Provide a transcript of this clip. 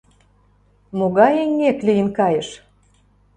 Могай эҥгек лийын кайыш?